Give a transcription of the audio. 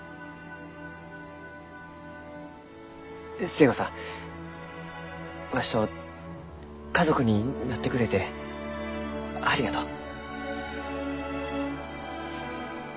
寿恵子さんわしと家族になってくれてありがとう。